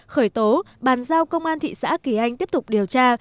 khởi tố bàn giao công an thị xã kỳ anh tiếp tục điều tra